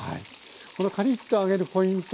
このカリッと揚げるポイント